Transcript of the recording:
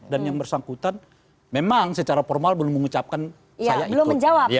yang bersangkutan memang secara formal belum mengucapkan saya itu